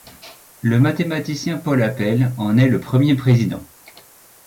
Le mathématicien Paul Appell en est le premier président.